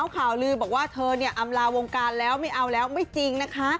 ข่าวลือบอกว่าเธอเนี่ยอำลาวงการแล้วไม่เอาแล้วไม่จริงนะคะ